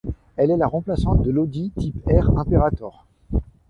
Elle est la remplaçante de l'Audi Type R Imperator.